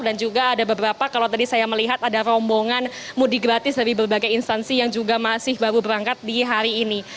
dan juga ada beberapa kalau tadi saya melihat ada rombongan mudi gratis dari berbagai instansi yang juga masih baru berangkat di hari ini